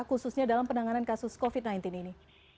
khususnya dalam penanganan kasus covid sembilan belas ini